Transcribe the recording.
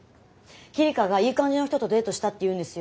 希梨香が「いい感じの人とデートした」って言うんですよ。